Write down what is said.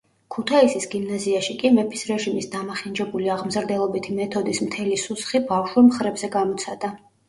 ქუთაისის გიმნაზიაში კი მეფის რეჟიმის დამახინჯებული აღმზრდელობითი მეთოდის მთელი სუსხი ბავშვურ მხრებზე გამოცადა.